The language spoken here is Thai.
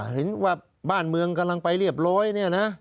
เห็นว่าบ้านเมืองกำลังไปเรียบร้อยเนี่ยนะ